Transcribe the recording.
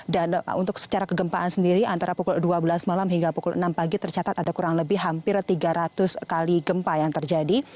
dan untuk secara kegempaan sendiri antara pukul dua belas malam hingga pukul enam pagi tercatat ada kurang lebih hampir tiga ratus kali gempa yang terjadi